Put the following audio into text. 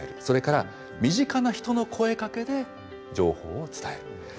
それから身近な人の声かけで情報を伝える。